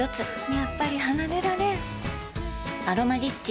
やっぱり離れられん「アロマリッチ」